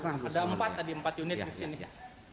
ada empat tadi empat unit kesini ya